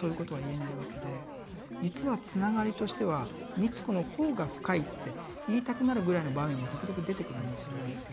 実はつながりとしては美津子の方が深いって言いたくなるぐらいの場面も時々出てくるんだと思うんですよね。